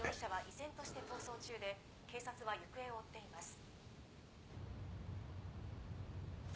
依然として逃走中で警察は行方を追っています。